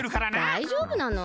だいじょうぶなの？